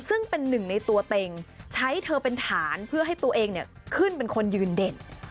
ซึ่งเป็นหนึ่งในตัวเต็งใช้เธอเป็นฐานเพื่อให้ตัวเองขึ้นเป็นคนยืนเด่น